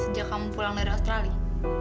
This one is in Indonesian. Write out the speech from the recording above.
sejak kamu pulang dari australia